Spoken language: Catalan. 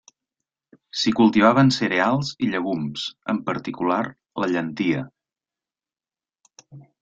S'hi cultivaven cereals i llegums, en particular la llentia.